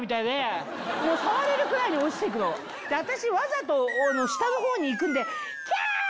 私わざと下のほうに行くんで。